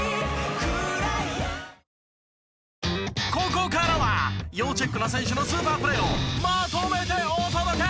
ここからは要チェックな選手のスーパープレーをまとめてお届け！